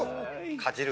かじる？